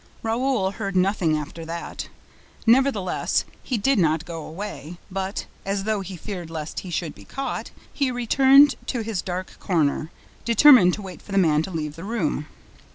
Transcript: Raoul heard nothing after that. Nevertheless, he did not go away, but, as though he feared lest he should be caught, he returned to his dark corner, determined to wait for the man to leave the room.